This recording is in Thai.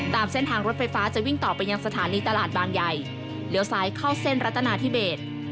ตามเส้นทางรถไฟฟ้าจะวิ่งต่อไปยังสถานีตลาดบางใหญ่เลี้ยวซ้ายเข้าเส้นรัตนาธิเบส